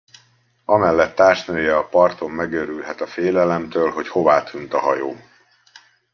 Amellett társnője a parton megőrülhet a félelemtől, hogy hová tűnt a hajó.